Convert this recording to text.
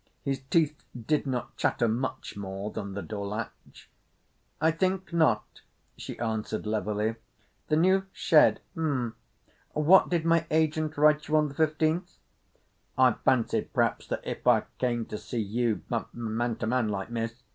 His teeth did not chatter much more than the door latch. "I think not," she answered levelly. "The new shed—m'm. What did my agent write you on the 15th?" "I—fancied p'raps that if I came to see you—ma—man to man like, Miss.